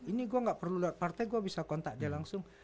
ini gue gak perlu lewat partai gue bisa kontak dia langsung